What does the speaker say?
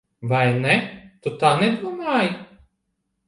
Vai ne? Tu tā nedomāji.